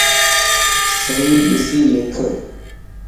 صحيح ڏسي لک